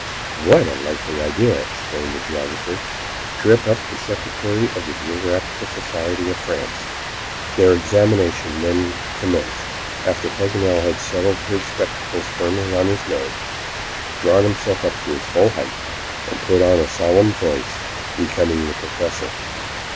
"What a likely idea!" exclaimed the geographer. "Trip up the Secretary of the Geographical Society of France." Their examination then commenced, after Paganel had settled his spectacles firmly on his nose, drawn himself up to his full height, and put on a solemn voice becoming to a professor.